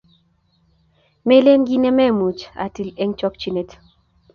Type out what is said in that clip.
melen kiy nemuch atil eng chokchinet